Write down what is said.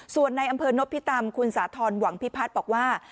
ส่วนในอำเภอนพิตำคุณสาธรณ์หวังพิพัฒน์บอกว่า